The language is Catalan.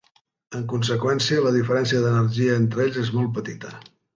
En conseqüència, la diferència d'energia entre ells és molt petita.